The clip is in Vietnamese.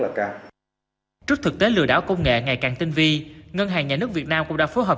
là trước thực tế lừa đảo công nghệ ngày càng tinh vi ngân hàng nhà nước việt nam cũng đã phối hợp